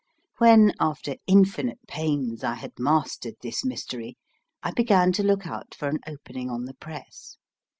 When, after infinite pains, I had mastered this mystery, I began to look out for an opening on the Press.